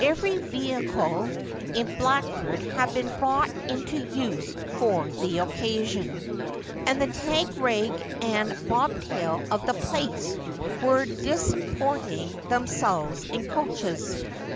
Every vehicle in Blackford had been brought into use for the occasion, and the tag rag and bobtail of the place were disporting themselves in coaches.